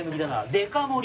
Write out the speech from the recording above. デカ盛り